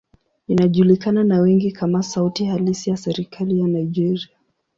Inajulikana na wengi kama sauti halisi ya serikali ya Nigeria.